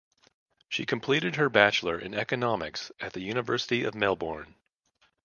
She completed her bachelor in economics at the University of Melbourne.